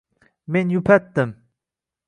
Men yupatdim: